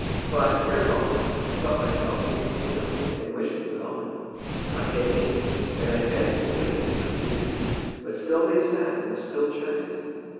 But, ere long, I felt myself getting pale and wished them gone. My head ached, and I fancied a ringing in my ears: but still they sat and still chatted.